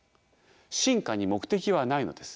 進化に目的はないのです。